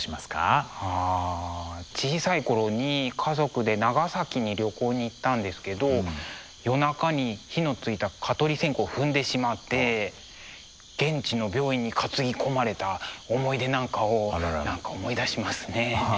あ小さい頃に家族で長崎に旅行に行ったんですけど夜中に火のついた蚊取り線香を踏んでしまって現地の病院に担ぎ込まれた思い出なんかを何か思い出しますね。